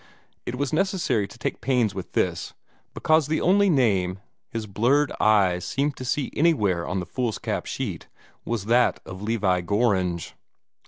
It was necessary to take pains with this, because the only name his blurred eyes seemed to see anywhere on the foolscap sheet was that of Levi Gorringe.